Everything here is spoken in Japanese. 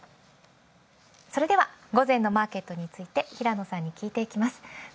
それでは午前のマーケットについて平野さんに聞いていきます。